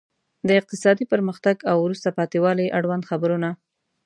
د اقتصادي پرمختګ او وروسته پاتې والي اړوند خبرونه.